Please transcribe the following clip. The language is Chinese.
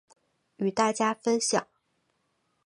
与大家分享